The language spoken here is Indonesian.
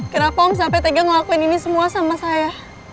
kenapa om sampai tega ngelakuin ini semua sama saya